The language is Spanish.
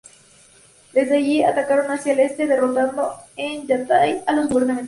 Desde allí atacaron hacia el este, derrotando en Yatay a los gubernamentales.